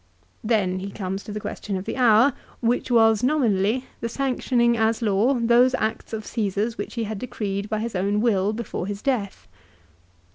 Then he comes to the question of the hour, which was, nominally, the sanctioning as law those acts of Caesar's which he had decreed by his own will before his death.